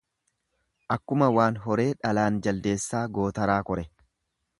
Akkuma waan horee dhalaan jaldeessaa gootaraa kore.